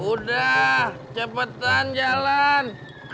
udah cepetan jalan